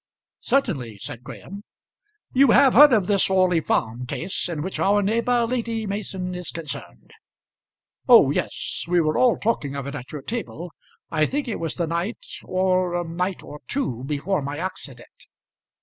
"Certainly," said Graham. "You have heard of this Orley Farm case, in which our neighbour Lady Mason is concerned." "Oh yes; we were all talking of it at your table; I think it was the night, or a night or two, before my accident."